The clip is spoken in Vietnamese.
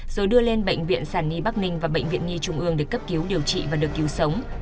rồi đưa lên bệnh viện sản nhi bắc ninh và bệnh viện nhi trung ương để cấp cứu điều trị và được cứu sống